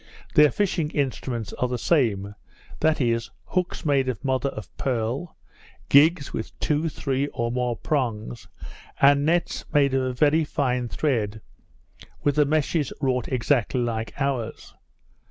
Their fishing instruments are the same; that is, hooks made of mother of pearl, gigs with two, three, or more prongs, and nets made of a very fine thread, with the meshes wrought exactly like ours.